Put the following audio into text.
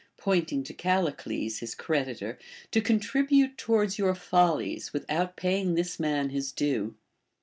pointing to Callicles his creditor, to contribute towards your follies, with out paying this man his due.